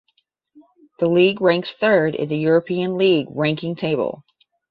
The league ranks third in the European league ranking table.